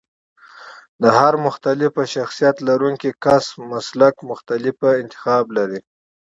د هر مختلف شخصيت لرونکی کس د مسلک مختلف انتخاب لري.